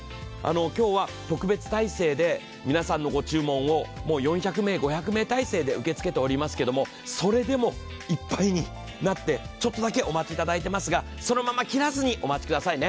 今日は特別態勢で皆さんのご注文を４００名、５００名態勢で受け付けておりますけれどもそれでもいっぱいになって、ちょっとだけお待ちいただいていますが、そのまま切らずにお待ちくださいね。